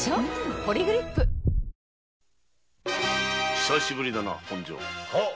久しぶりだな本庄。